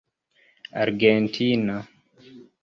argentina